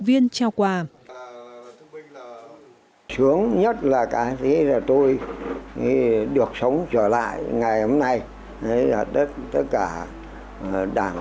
viên trao quà xuống nhất là cái thế là tôi được sống trở lại ngày hôm nay thấy là tất tất cả đảng